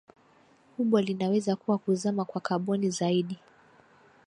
kubwa linaweza kuwa kuzama kwa kaboni zaidi